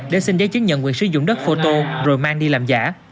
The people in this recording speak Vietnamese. để xin giấy chứng nhận quyền sử dụng đất phô tô rồi mang đi làm giả